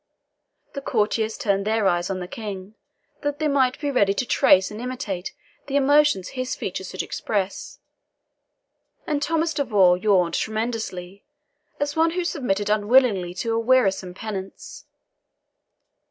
The courtiers turned their eyes on the King, that they might be ready to trace and imitate the emotions his features should express, and Thomas de Vaux yawned tremendously, as one who submitted unwillingly to a wearisome penance.